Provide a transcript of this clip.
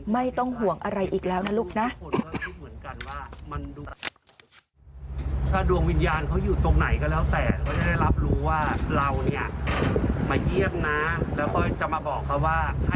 ไม่ต้องห่วงอะไรอีกแล้วนะลูกนะ